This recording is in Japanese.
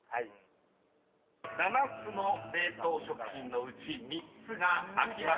［７つの冷凍食品のうち３つが開きました］